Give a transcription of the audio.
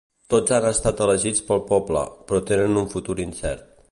Tots han estat elegits pel poble, però tenen un futur incert.